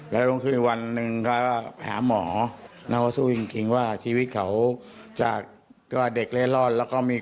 แล้วทั้งคืนวันนึงเขาก็หาหมอ